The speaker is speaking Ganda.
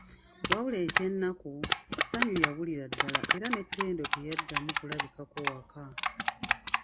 Wabula eky'ennaku, Ssanyu yabulira ddala era ne Ttendo teyaddamu kulabikako waka.